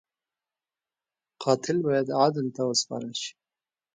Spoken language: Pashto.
قاتل باید عدل ته وسپارل شي